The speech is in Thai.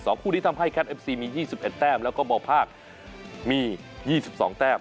สองคู่ที่ทำให้แคทเอฟซีมียี่สิบเอ็ดแต้มแล้วก็มอภาคมียี่สิบสองแต้ม